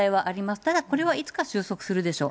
ただこれはいつか収束するでしょう。